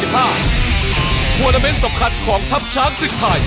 เวลาเมนต์สำคัญของทัพช้างศึกไทย